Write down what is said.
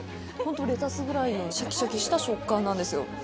レタスぐらいのしゃきしゃきした食感なんですよ。